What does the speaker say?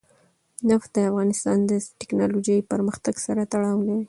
نفت د افغانستان د تکنالوژۍ پرمختګ سره تړاو لري.